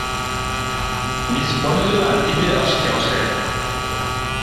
Мисс Поллилан тиде ыш келше.